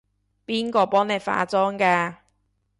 邊個幫你化妝㗎？